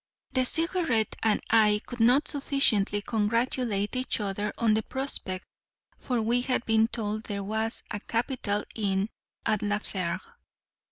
The Cigarette and I could not sufficiently congratulate each other on the prospect, for we had been told there was a capital inn at La Fère.